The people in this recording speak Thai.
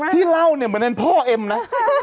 ที่เล่าเนี่ยเหมือนเป็นพ่อเอ็มนะ